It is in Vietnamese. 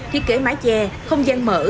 thiết kế mái che không gian mở